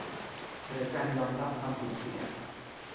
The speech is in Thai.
หรือการยอมรับความสูญเสีย